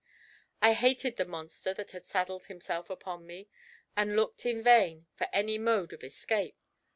I hated the monster that had saddled himself upon me, and looked in vain for any mode of escape.